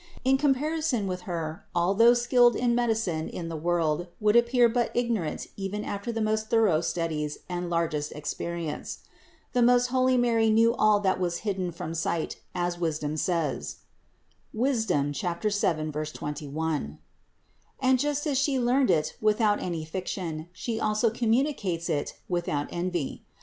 In comparison with Her all those skilled in medicine in the world would appear but ignorant even after the most thorough studies and largest experience. The most holy Mary knew all that was hidden from 42 CITY OF GOD sight, as Wisdom says (Wis. 7, 21); and just as She learned it without any fiction, She also communicates it without envy.